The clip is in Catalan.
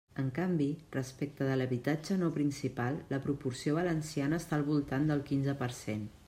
En canvi, respecte de l'habitatge no principal, la proporció valenciana està al voltant del quinze per cent.